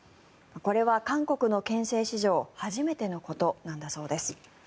これは韓国の憲政史上初めてのことなんだそうです。